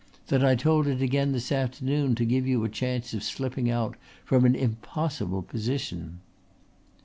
That I told it again this afternoon to give you a chance of slipping out from an impossible position."